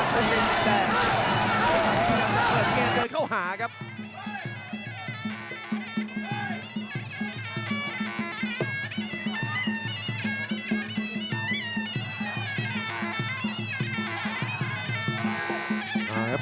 เปิดเกณฑ์โดยเข้าหาครับ